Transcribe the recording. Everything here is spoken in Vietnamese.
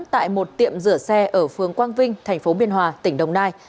tại một tiệm rửa xe ở phương quang vinh thành phố biên hòa tỉnh đồng nai